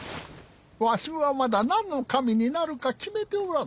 わしはまだ何の神になるか決めておらぬ。